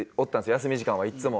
休み時間はいつも。